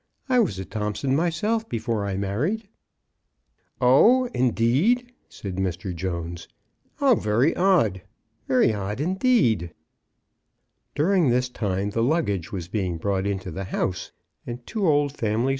" I was a Thompson myself before I married." '' Oh — indeed !" said Mr. Jones. " How very odd !— very odd indeed." During this time the luggage was being brought into the house, and two old family MRS. BROWN AT THOMPSON HALL.